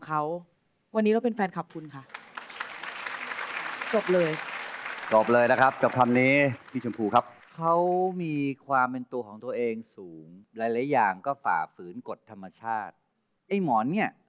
ไอ้หมอนเงี่ย